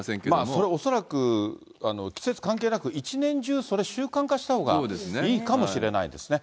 それ恐らく、季節関係なく、一年中それ、習慣化したほうがいいかもしれないですね。